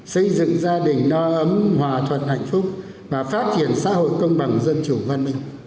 xây dựng gia đình no ấm hòa thuận hạnh phúc và phát triển xã hội công bằng dân chủ văn minh